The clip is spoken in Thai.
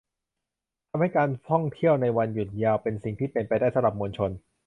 ทำให้การท่องเที่ยวในวันหยุดยาวเป็นสิ่งที่เป็นไปได้สำหรับมวลชน